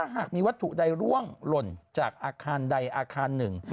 หากมีวัตถุว่ายหลั่วนล่อนจากอาคารไหนอาคารหนึ่ง